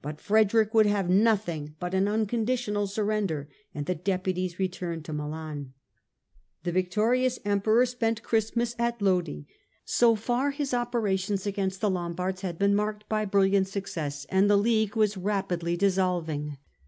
But Frederick would have nothing but an unconditional surrender, and the deputies returned to Milan. The victorious Emperor spent Christmas at Lodi. So far his operations against the Lombards had been marked by brilliant success, and the League was rapidly dissolving.